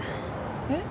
えっ？